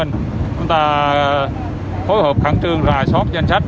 chúng ta phối hợp khẳng trương rà soát danh sách